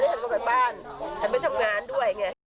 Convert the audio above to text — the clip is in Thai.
แล้วฉันก็ไปบ้านฉันไปทำงานด้วย